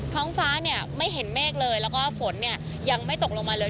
ท้องฟ้าเนี่ยไม่เห็นเมฆเลยแล้วก็ฝนเนี่ยยังไม่ตกลงมาเลย